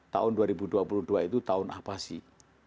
tahun dua ribu dua puluh dua itu tahun apa sih